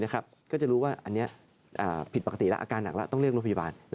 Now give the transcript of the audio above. ก็จะรู้ว่าอันนี้ผิดปกติอาการหนักต้องเรียกรัฐพยาบาล